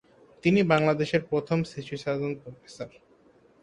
তিনি বাংলাদেশের প্রথম শিশু সার্জন প্রফেসর।